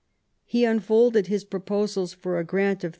He unfolded his pro posals for a grant of 3s.